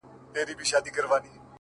اوس مي حافظه ډيره قوي گلي،